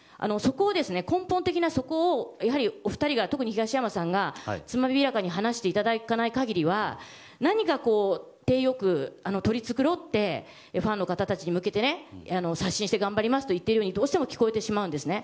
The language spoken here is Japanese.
根本的なそこをお二人が特に東山さんがつまびらかに話していただかない限りは体よく取り繕ってファンの方たちに向けて刷新して頑張りますと言っているように聞こえてしまうんですね。